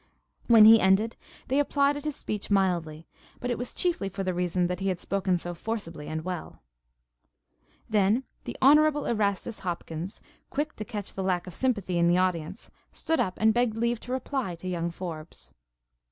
When he ended they applauded his speech mildly; but it was chiefly for the reason that he had spoken so forcibly and well. Then the Honorable Erastus Hopkins, quick to catch the lack of sympathy in the audience, stood up and begged leave to reply to young Forbes.